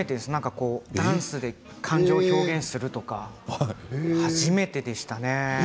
ダンスで感情を表現するとか初めてでしたね。